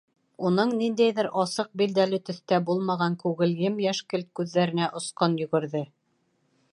Уның ниндәйҙер асыҡ билдәле төҫтә булмаған күгелйем йәшкелт күҙҙәренә осҡон йүгерҙе.